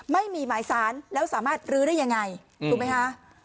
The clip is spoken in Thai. ไม่มีหมายสารแล้วสามารถลื้อได้ยังไงถูกไหมคะ